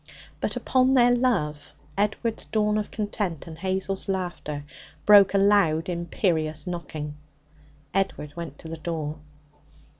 But upon their love Edward's dawn of content and Hazel's laughter broke a loud imperious knocking. Edward went to the door.